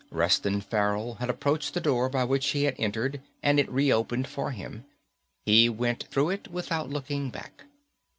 Reston Farrell had approached the door by which he had entered and it reopened for him. He went through it without looking back.